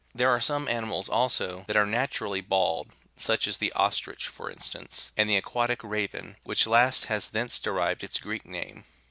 81 There are some animals, also, that are natu rally bald, such as the ostrich, for instance, and the aquatic raven, which last has thence derived its Greek82 name.